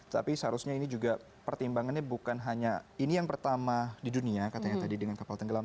tapi seharusnya ini juga pertimbangannya bukan hanya ini yang pertama di dunia katanya tadi dengan kapal tenggelam